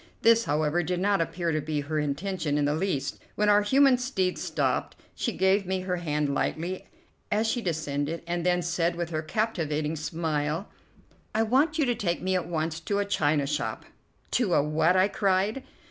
This, however, did not appear to be her intention in the least; when our human steeds stopped, she gave me her hand lightly as she descended, and then said, with her captivating smile: "I want you to take me at once to a china shop." "To a what?" I cried.